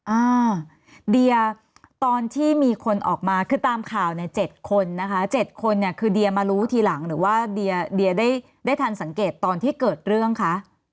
อ่าเดียตอนที่มีคนออกมาคือตามข่าวเนี่ย๗คนนะคะ๗คนเนี่ยคือเดียมารู้ทีหลังหรือว่าเดียเดียได้ทันสังเกตตอนที่เกิดเรื่องคะ